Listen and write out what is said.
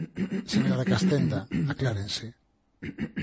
Señora Castenda, aclárense.